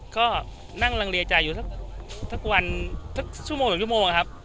ก็นั่งหลังเรียนใจอยู่ทุกวันทั้งชั่วโมงครับ